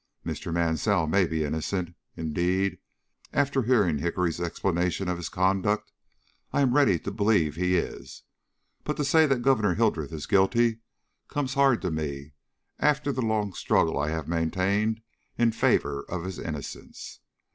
"Mr. Mansell may be innocent indeed, after hearing Hickory's explanation of his conduct, I am ready to believe he is but to say that Gouverneur Hildreth is guilty comes hard to me after the long struggle I have maintained in favor of his innocence.